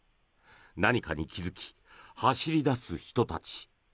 何かに気付き、走り出す人たち。